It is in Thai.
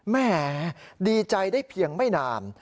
แหมดีใจได้เพียงไม่นาน